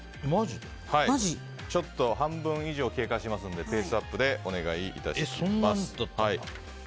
半分以上経過していますのでペースアップでお願いします。